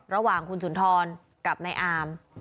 ระหว่างคุณสุนทรกับนายอาม